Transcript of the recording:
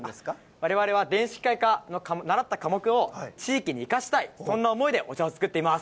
われわれは電子機械科の習った科目を地域に生かしたい、そんな思いでお茶を作っています。